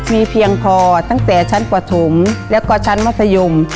มีเพียงพอตั้งแต่ชั้นประถุมและชั้นมสยุม